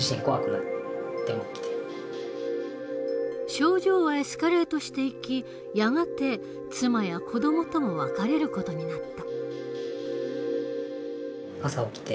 症状はエスカレートしていきやがて妻や子どもとも別れる事になった。